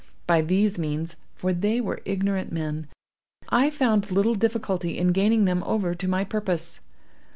By these means—for they were ignorant men—I found little difficulty in gaining them over to my purpose.